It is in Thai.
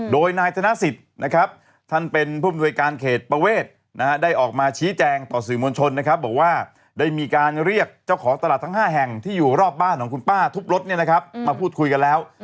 โดยนายธนสิทธิ์นะครับท่านเป็นผู้อำนวยการเขตประเวทได้ออกมาชี้แจงต่อสื่อมวลชนนะครับบอกว่าได้มีการเรียกเจ้าของตลาดทั้ง๕แห่งที่อยู่รอบบ้านของคุณป้าทุบรถมาพูดคุยกันแล้ว